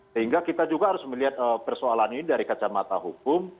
sehingga kita juga harus melihat persoalan ini dari kacamata hukum